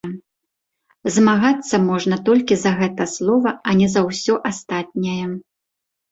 Змагацца можна толькі за гэта слова, а не за ўсё астатняе.